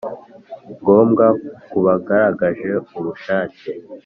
ngombwa ku bagaragaje ubushake